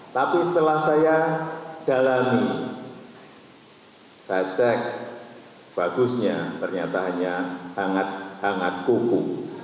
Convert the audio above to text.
tapi setelah saya dalami saya cek bagusnya ternyata hanya hangat hangat kuku